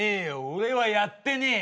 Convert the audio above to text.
俺はやってねえ。